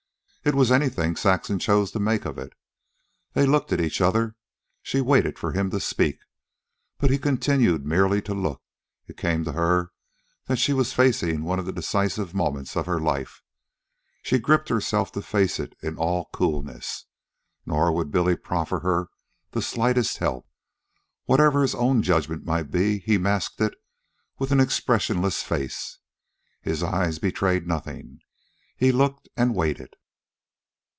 It was anything Saxon chose to make of it. They looked at each other. She waited for him to speak; but he continued merely to look. It came to her that she was facing one of the decisive moments of her life, and she gripped herself to face it in all coolness. Nor would Billy proffer her the slightest help. Whatever his own judgment might be, he masked it with an expressionless face. His eyes betrayed nothing. He looked and waited.